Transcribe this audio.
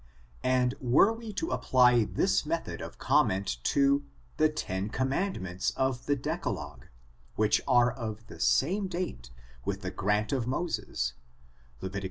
And were we to apply this method of comment to the ten conunandments of the deca logue, which are of the same date with the grant of Moses (Levit.